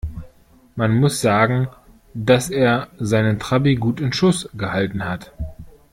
Man muss sagen, dass er seinen Trabi gut in Schuss gehalten hat.